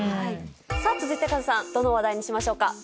続いてカズさんどの話題にしましょうか？